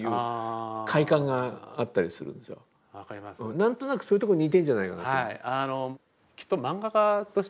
何となくそういうとこ似てんじゃないかなと。